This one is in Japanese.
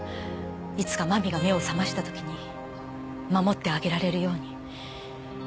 いつか真実が目を覚ましたときに守ってあげられるように。